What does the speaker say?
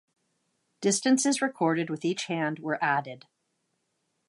Distances recorded with each hand were added.